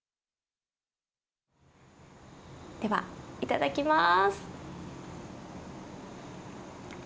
では、いただきます。